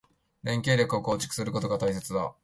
連携力を構築することが大切だ。